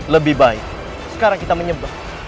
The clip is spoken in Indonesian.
lebih baik sekarang kita menyebar